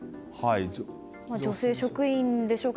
女性職員でしょうか。